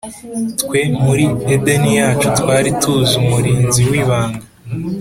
twe muri edeni yacu twari tuzi umurinzi wibanga